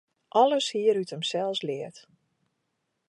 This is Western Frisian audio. Alles hie er út himsels leard.